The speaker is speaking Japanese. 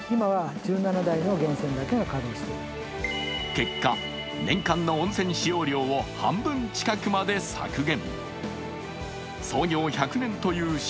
結果、年間の温泉使用量を半分近くまで削減。